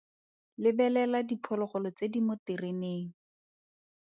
Lebelela diphologolo tse di mo tereneng.